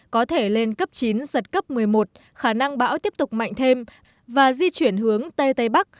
có thể lên cấp chín giật cấp một mươi một khả năng bão tiếp tục mạnh thêm và di chuyển hướng tây tây bắc